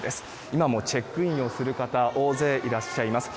今もチェックインをする方大勢いらっしゃいます。